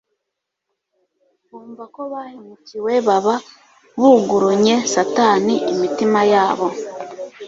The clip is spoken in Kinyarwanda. bumva ko bahemukiwe baba bugurunye Satani imitima yabo.